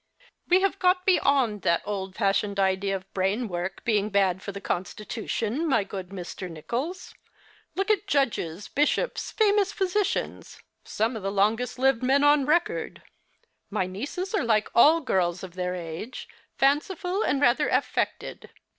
" We have got beyond that old fashioned idea of brain work being bad for the constitution, my good Mr. Nicholls. Look at judges, bishops, famous physicians, some of the longest lived men on record. My nieces are like all girls of their age, fanciful and rather affected.